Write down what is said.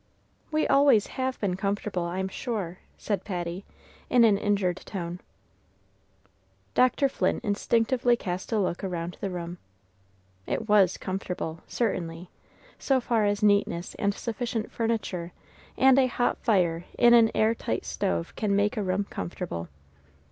"We always have been comfortable, I'm sure," said Patty, in an injured tone. Dr. Flint instinctively cast a look around the room. It was comfortable, certainly, so far as neatness and sufficient furniture and a hot fire in an air tight stove can make a room comfortable.